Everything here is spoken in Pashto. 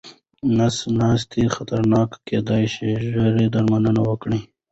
نس ناسته خطرناکه کيداې شي، ژر درملنه وکړئ.